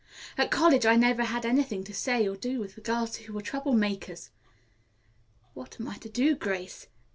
At college I never had anything to say to or do with the girls who were trouble makers. What am I to do, Grace?